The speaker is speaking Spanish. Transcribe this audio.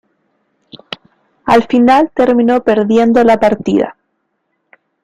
Al final terminó perdiendo la partida.